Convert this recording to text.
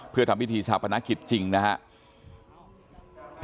เพื่อทำพิธีชาพนักกิจจริงนะครับ